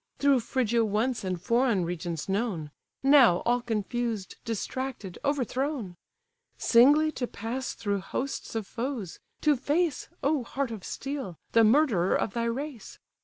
Through Phrygia once and foreign regions known; Now all confused, distracted, overthrown! Singly to pass through hosts of foes! to face (O heart of steel!) the murderer of thy race!